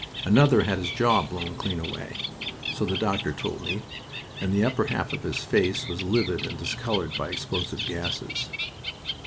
Another had his jaw blown clean away, so the doctor told me, and the upper half of his face was livid and discolored by explosive gases.